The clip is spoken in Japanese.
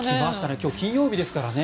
今日、金曜日ですからね